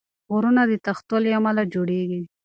غرونه د تختو له امله جوړېږي.